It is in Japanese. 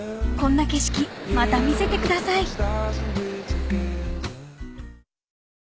［こんな景色また見せてください］